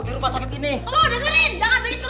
dengerin jangan bikin cerita